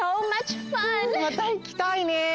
またいきたいねえ。